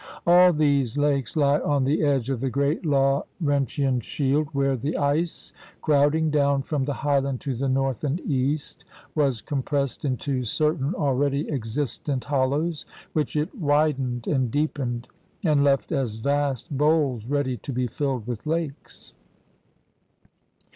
All these lakes lie on the edge of the great Lauren GEOGRAPHIC PROVINCES 55 tian shield, where the ice, crowding down from the highland to the north and east, was compressed into certain already existent hollows which it widened, deepened, and left as vast bowls ready to be filled with lakes.